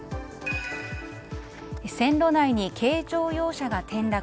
線路内に軽乗用車が転落。